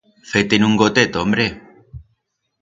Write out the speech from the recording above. Fe-te-ne un gotet, hombre.